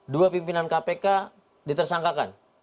dua pimpinan kpk ditersangkakan